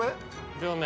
両面？